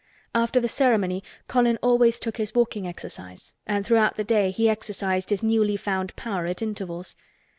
After the ceremony Colin always took his walking exercise and throughout the day he exercised his newly found power at intervals.